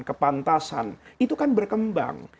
kepantasan itu kan berkembang